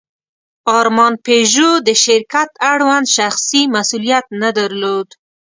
ارمان پيژو د شرکت اړوند شخصي مسوولیت نه درلود.